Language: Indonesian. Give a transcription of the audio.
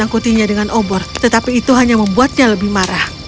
menyangkutinya dengan obor tetapi itu hanya membuatnya lebih marah